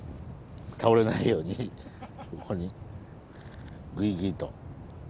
倒れないようにここにぐいぐいと。